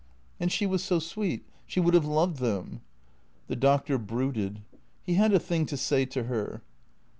" And she was so sweet, she would have loved them " The Doctor brooded. He had a thing to say to her.